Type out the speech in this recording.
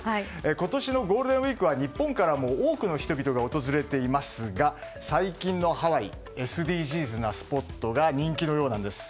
今年のゴールデンウィークは日本からも多くの人々が訪れていますが、最近のハワイＳＤＧｓなスポットが人気なようなんです。